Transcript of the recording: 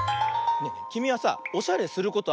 きみはさおしゃれすることある？